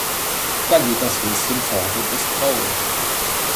Da geht das Häschen fort und ist traurig.